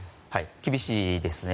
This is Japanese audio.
厳しいですね。